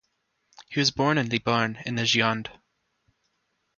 He was born in Libourne in the Gironde.